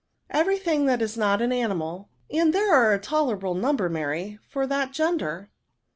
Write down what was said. *^ Every thing that is not an animal ; and there are a tolerable number^ Mary, for that gender."